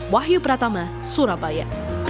wahyu pratama surabaya